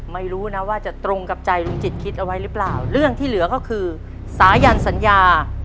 ไม่รู้นะว่าจะตรงกับใจลุงจิตคิดเอาไว้หรือเปล่าเรื่องที่เหลือก็คือสายันสัญญา